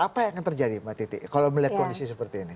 apa yang akan terjadi mbak titi kalau melihat kondisi seperti ini